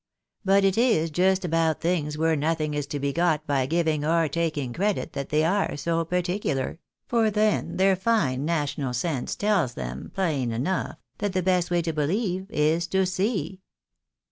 But it is just about things where nothing is to be got by giving or taking credit that they are so particular ; for then their fine national sense tells them, plain enough, that the best way to believe is to see."